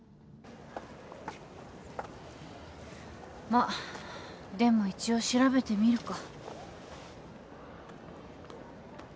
まっでも一応調べてみるか。